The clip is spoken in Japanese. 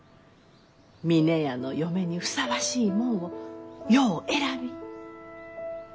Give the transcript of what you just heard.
峰屋の嫁にふさわしいもんをよう選び。